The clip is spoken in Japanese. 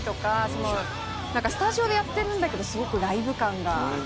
スタジオでやってるんだけどすごくライブ感がある。